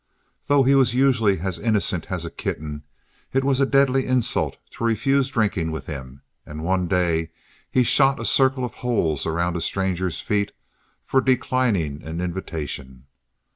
Though he was usually as innocent as a kitten, it was a deadly insult to refuse drinking with him, and one day he shot a circle of holes around a stranger's feet for declining an invitation.